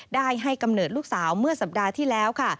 ได้ให้กำเนิดลูกสาวเมื่อสัปดาห์ที่แล้วค่ะ